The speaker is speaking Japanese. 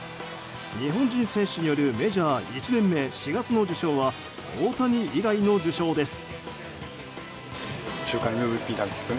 日本人選手によるメジャー１年目、４月の受賞は大谷以来の受賞です。